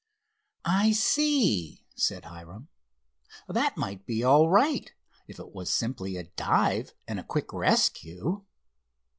"I see," said Hiram. "That might be all right, if it was simply a dive and a quick rescue."